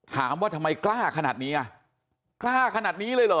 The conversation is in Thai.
ถามว่าทำไมกล้าขนาดนี้อ่ะกล้าขนาดนี้เลยเหรอ